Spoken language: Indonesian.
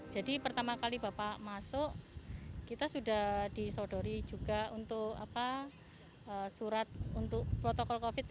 jadi pertama kali bapak masuk kita sudah disodori juga untuk surat untuk protokol covid sembilan belas